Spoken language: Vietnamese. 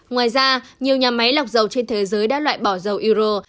ngoài ra nhiều nhà máy lọc dầu trên thế giới đã loại bỏ dầu iro